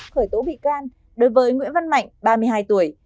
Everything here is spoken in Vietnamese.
khởi tố bị can đối với nguyễn văn mạnh ba mươi hai tuổi